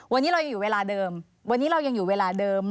วันนี้เรายังอยู่เวลาเดิม